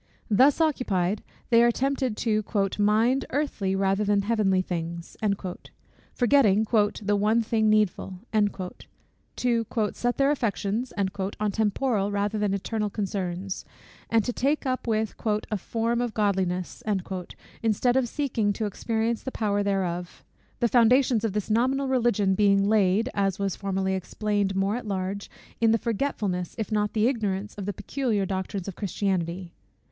Thus occupied, they are tempted to "mind earthly rather than heavenly things," forgetting "the one thing needful;" to "set their affections" on temporal rather than eternal concerns, and to take up with "a form of godliness," instead of seeking to experience the power thereof: the foundations of this nominal Religion being laid, as was formerly explained more at large, in the forgetfulness, if not in the ignorance, of the peculiar doctrines of Christianity.